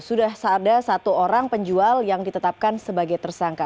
sudah ada satu orang penjual yang ditetapkan sebagai tersangka